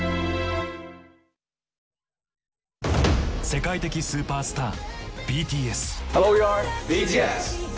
世界的スーパースターＢＴＳ。